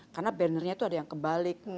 karena bannernya itu ada yang kebalik